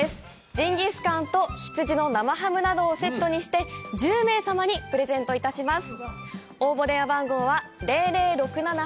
ジンギスカンと羊の生ハムなどをセットにして１０名様にプレゼントいたします。